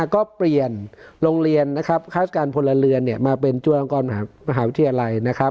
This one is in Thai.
ก็เปลี่ยนโรงเรียนคราชกาลพลเรือนมาเป็นจุฬาวงค์กรมหาวิทยาลัย